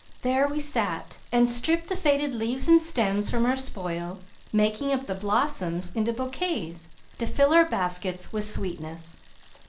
There we sat and stripped the faded leaves and stems from our spoil, making up the blossoms into bouquets to fill our baskets with sweetness.